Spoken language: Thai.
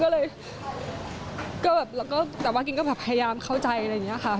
กินก็เลยแต่ว่ากินก็พยายามเข้าใจอะไรอย่างนี้ค่ะ